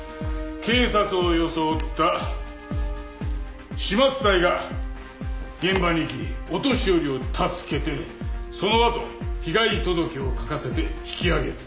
警察を装った始末隊が現場に行きお年寄りを助けてそのあと被害届を書かせて引き揚げる。